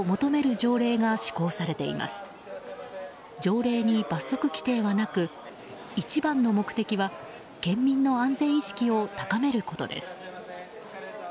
条例に罰則規定はなく一番の目的は県民の安全意識を高めることです。